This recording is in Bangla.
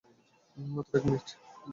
মাত্র এক মিনিট।